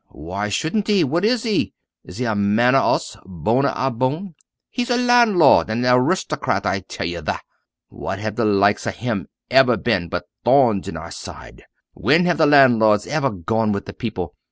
Why shouldn't he? What is he? Is he a man of us bone of our bone? He's a landlord, and an aristocrat, I tell tha! What have the likes of him ever been but thorns in our side? When have the landlords ever gone with the people?